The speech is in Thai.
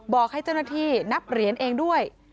บอกให้เจ้าหน้าที่นับเหรียญเองด้วย